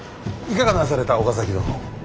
いかがなされた岡崎殿。